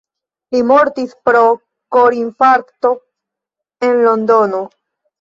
Li mortis pro korinfarkto en Londono.